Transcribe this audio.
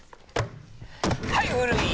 はい古い！